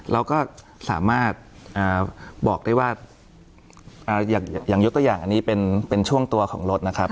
เราก็สามารถบอกได้ว่าอย่างยกตัวอย่างอันนี้เป็นช่วงตัวของรถนะครับ